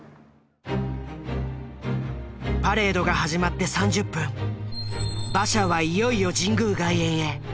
パレードが始まって３０分馬車はいよいよ神宮外苑へ。